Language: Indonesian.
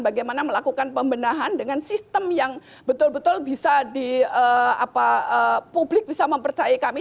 bagaimana melakukan pembenahan dengan sistem yang betul betul bisa publik bisa mempercayai kami